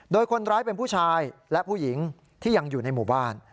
โดยคนร้ายเป็นผู้ชายและผู้หญิงที่ยังอยู่ในหมู่บ้าน